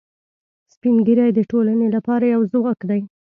سپین ږیری د ټولنې لپاره یو ځواک دي